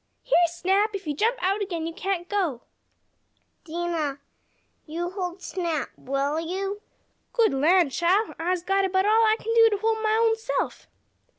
"Here, Snap! If you jump out again you can't go!" "Dinah, you hold Snap, will you?" "Good lan' chile! I'se got about all I kin do to hold mah own self!"